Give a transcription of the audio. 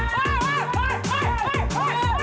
pokoknya demi elalah